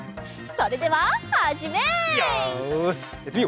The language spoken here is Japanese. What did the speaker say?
それでははじめい！